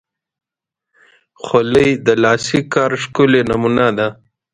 خولۍ د لاسي کار ښکلی نمونه ده.